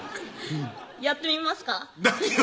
やってみますか？